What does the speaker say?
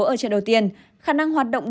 ở trận đầu tiên khả năng hoạt động